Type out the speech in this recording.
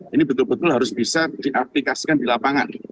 ini betul betul harus bisa diaplikasikan di lapangan